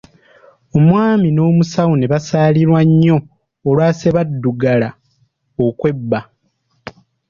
Omwami n'Omusawo ne basaalirwa nnyo olwa Ssebaddugala okwebba.